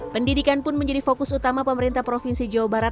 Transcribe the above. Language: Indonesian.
pendidikan pun menjadi fokus utama pemerintah provinsi jawa barat